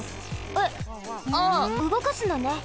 えっあうごかすのね。